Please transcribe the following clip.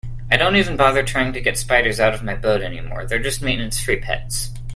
I don't even bother trying to get spiders out of my boat anymore, they're just maintenance-free pets.